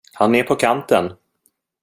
Han är på kanten!